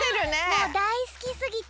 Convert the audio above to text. もうだいすきすぎて。